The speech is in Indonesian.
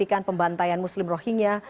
hentikan pembantaian muslim rohingya